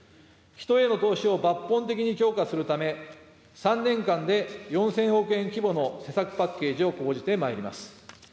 人への投資を抜本的に強化するため、３年間で４０００億円規模の施策パッケージを講じてまいります。